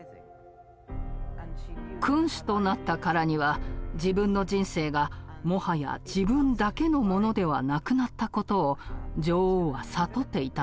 君主となったからには自分の人生がもはや自分だけのものではなくなったことを女王は悟っていたのです。